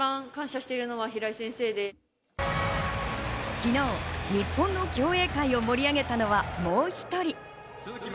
昨日、日本の競泳界を盛り上げたのはもう１人。